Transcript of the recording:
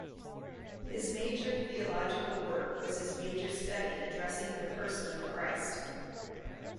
His major theological work was his major study addressing the Person of Christ.